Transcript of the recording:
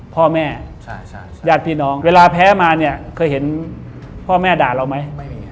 พ่อแม่ญาติพี่น้องเวลาแพ้มาเคยเห็นพ่อแม่ด่าเราไหม